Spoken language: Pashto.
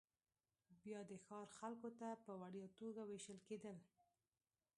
بیا د ښار خلکو ته په وړیا توګه وېشل کېدل